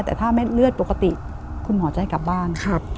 แต่ถ้าเลือดปกติคุณหมอจะให้กลับบ้าน